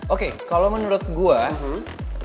oke kalau menurut gue